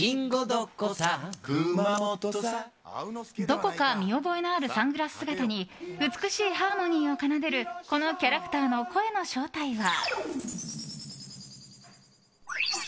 どこか見覚えのあるサングラス姿に美しいハーモニーを奏でるこのキャラクターの声の正体は。